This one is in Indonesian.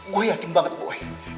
gue yakin banget boy